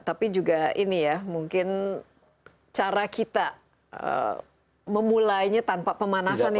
tapi juga ini ya mungkin cara kita memulainya tanpa pemanasan